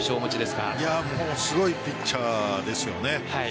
すごいピッチャーですよね。